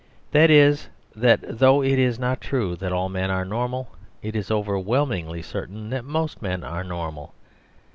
That is, that though it is not true that all men are normal, it is overwhelmingly certain that most men are normal.